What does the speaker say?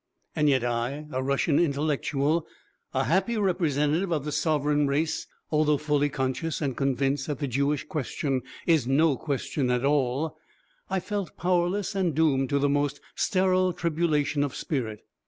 "And yet I, a Russian intellectual, a happy representative of the sovereign race, although fully conscious and convinced that the 'Jewish question' is no question at all, I felt powerless and doomed to the most sterile tribulation of spirit.